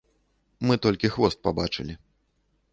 Мы толькі хвост пабачылі.